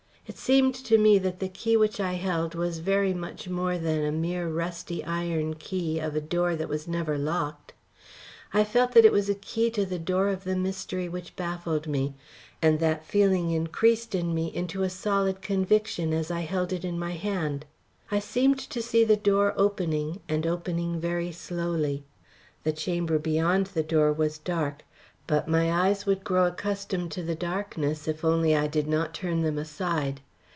It seemed to me that the key which I held was very much more than a mere rusty iron key of a door that was never locked. I felt that it was the key to the door of the mystery which baffled me, and that feeling increased in me into a solid conviction as I held it in my hand. I seemed to see the door opening, and opening very slowly. The chamber beyond the door was dark, but my eyes would grow accustomed to the darkness if only I did not turn them aside.